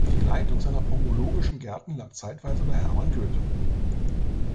Die Leitung seiner pomologischen Gärten lag zeitweise bei Hermann Goethe.